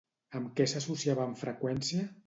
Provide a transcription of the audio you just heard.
Amb què s'associava amb freqüència?